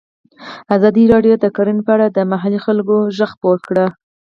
ازادي راډیو د کرهنه په اړه د محلي خلکو غږ خپور کړی.